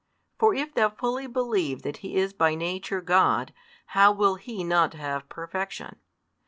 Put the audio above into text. For if thou fully believe that He is by Nature God, how will He not have perfection?